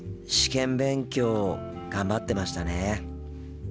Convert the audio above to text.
試験勉強頑張ってましたね。